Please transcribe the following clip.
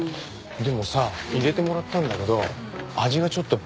でもさ入れてもらったんだけど味がちょっと微妙っつうかさ。